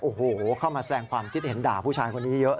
โอ้โหเข้ามาแสดงความคิดเห็นด่าผู้ชายคนนี้เยอะ